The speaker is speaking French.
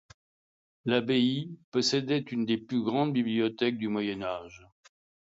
L’abbaye possédait une des plus grandes bibliothèques du Moyen Âge.